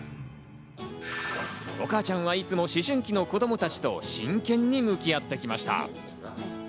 お母ちゃんはいつも思春期の子供たちと真剣に向き合ってきました。